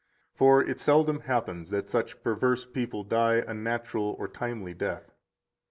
For it seldom happens that such perverse people die a natural or timely death.